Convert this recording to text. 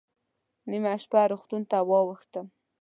نیمه شپه روغتون ته واوښتم.